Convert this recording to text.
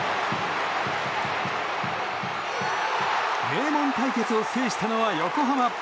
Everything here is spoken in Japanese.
名門対決を制したのは横浜。